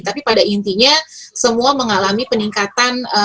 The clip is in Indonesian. tapi pada intinya semua mengalami peningkatan